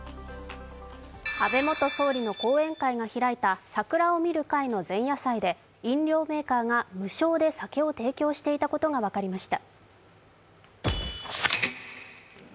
安倍元総理の後援会が開いた桜を見る会の前夜祭で飲料メーカーが無償で酒を提供していたことが分かりました。